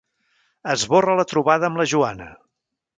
Esborra la trobada amb la Joana.